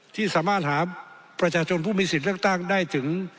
ที่สามารถหาประชาชนผู้มีสิทธิ์เลือกตั้งได้ถึง